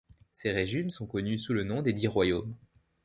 Ces régimes sont connus sous le nom des Dix Royaumes.